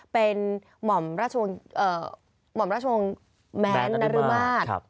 เป็นหม่อมราชวงศ์แม้นนรมาศ